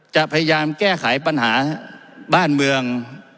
จะพยายามแก้ไขปัญหาบ้านเมือง